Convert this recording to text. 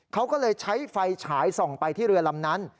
เขาก็เลยใช้ไฟฉายส่องไปที่เรือลำนั้น